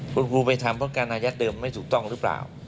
คุณครูไปทำเพราะการอายัดเดิมไม่ถูกต้องหรือเปล่า